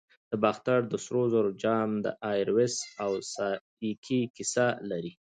د باختر د سرو زرو جام د ایروس او سایکي کیسه لري